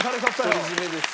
独り占めです。